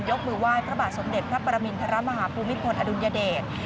มือไหว้พระบาทสมเด็จพระปรมินทรมาฮภูมิพลอดุลยเดช